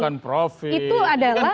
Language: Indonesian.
bukan profit itu adalah